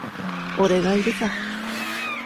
俺がいるさ。